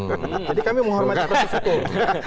jadi kami menghormati proses hukum